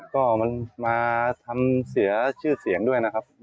ก็มันมาทำเสียชื่อเสียงด้วยนะครับ